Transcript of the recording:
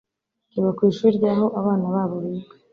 kiba ku ishuri ry aho abana babo biga